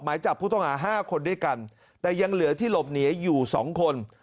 หมายจับผู้ต้องหา๕คนด้วยกันแต่ยังเหลือที่หลบหนีอยู่๒คน